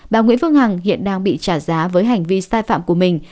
bà nguyễn phương hằng hiện đang bị trả giá với hành vi sai phạm của mình